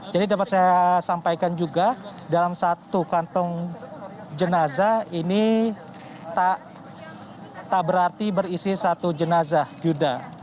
jadi dapat saya sampaikan juga dalam satu kantong jenazah ini tak berarti berisi satu jenazah yuda